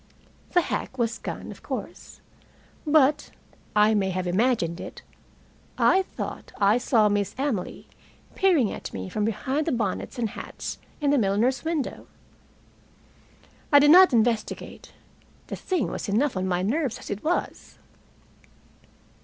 The hack was gone, of course. But I may have imagined it I thought I saw Miss Emily peering at me from behind the bonnets and hats in the milliner's window. I did not investigate. The thing was enough on my nerves as it was.